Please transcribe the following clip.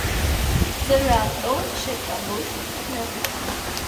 Ստրատո (շերտավոր) հրաբուխ Է։